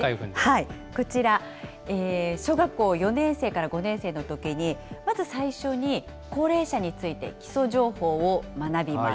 こちら、小学校４年生から５年生のときに、まず最初に高齢者について基礎情報を学びます。